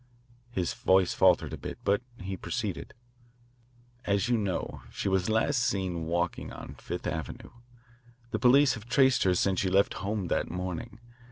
His voice faltered a bit, but he proceeded: "As you know, she was last seen walking on Fifth Avenue. The police have traced her since she left home that morning.